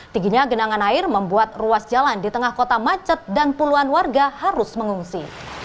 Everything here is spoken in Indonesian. tingginya genangan air membuat ruas jalan di tengah kota macet dan puluhan warga harus mengungsi